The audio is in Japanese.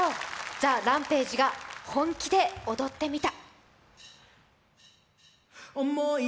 ＴＨＥＲＡＭＰＡＧＥが本気で踊ってみた。